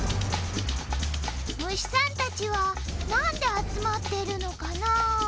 むしさんたちはなんであつまってるのかな？